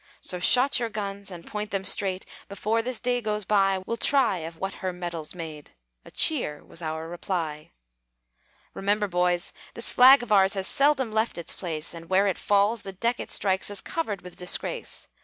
"So shot your guns, and point them straight; Before this day goes by, We'll try of what her metal's made." A cheer was our reply. "Remember, boys, this flag of ours Has seldom left its place; And where it falls, the deck it strikes Is covered with disgrace.